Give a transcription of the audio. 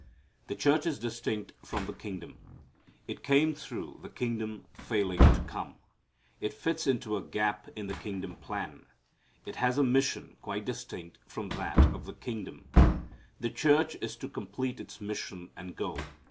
The church is distinct from the kingdom. It came through the kingdom failing to come. It fits into a gap in the kingdom plan. It has a mission quite distinct from that of the kingdom. The church is to complete its mission and go.